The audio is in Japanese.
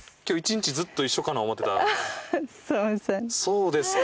そうですか。